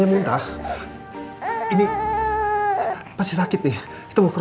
walaupun mama gak ada buat kamu